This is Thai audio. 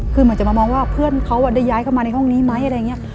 คือมันจะมามองว่าเพื่อนเขาได้ย้ายเข้ามาในห้องนี้ไหม